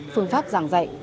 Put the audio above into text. phương pháp giảng dạy